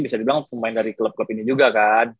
bisa dibilang pemain dari klub klub ini juga kan